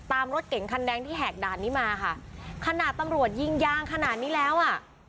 รถเก๋งคันแดงที่แหกด่านนี้มาค่ะขนาดตำรวจยิงยางขนาดนี้แล้วอ่ะ